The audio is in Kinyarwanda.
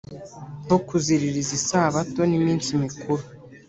nko kuziririza isabato n iminsi mikuru